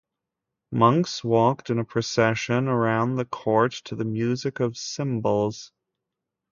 Monks walked in procession around the court to the music of cymbals.